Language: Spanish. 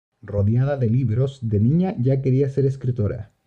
Rodeada de libros, de niña ya quería ser escritora.